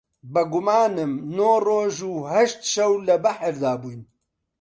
بە گومانم نۆ ڕۆژ و هەشت شەو لە بەحردا بووین